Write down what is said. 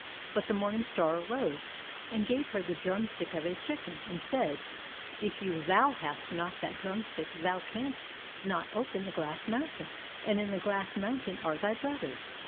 But the morning star arose, and gave her the drumstick of a chicken, and said, "If you thou hast not that drumstick thou canst not open the Glass mountain, and in the Glass mountain are thy brothers."